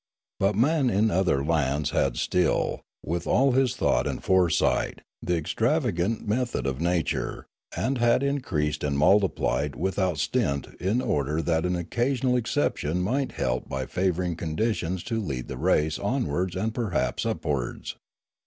But man in other lands had still, with all his thought and foresight, the extravagant 54 Limanora method of nature, and had increased and multiplied without stint in order that an occasional exception might help by favouring conditions to lead the race onwards and perhaps upwards.